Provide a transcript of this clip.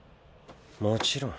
もちろん。